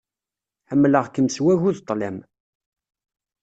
Ḥemmleɣ-kem s wagu d ṭṭlam.